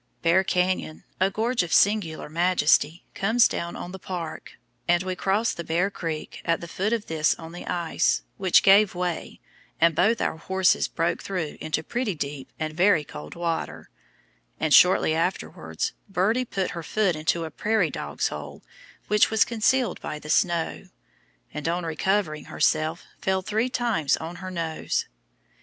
Bear Canyon, a gorge of singular majesty, comes down on the park, and we crossed the Bear Creek at the foot of this on the ice, which gave way, and both our horses broke through into pretty deep and very cold water, and shortly afterwards Birdie put her foot into a prairie dog's hole which was concealed by the snow, and on recovering herself fell three times on her nose.